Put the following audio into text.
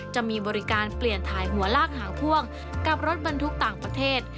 จะมีบริการเปลี่ยนถ่ายหัวลากหางพ่วงกับรถบรรทุกต่างประเทศ